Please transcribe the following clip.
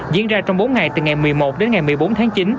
diễn ra trong bốn ngày từ ngày một mươi một đến ngày một mươi bốn tháng chín